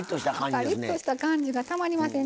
カリッとした感じがたまりません。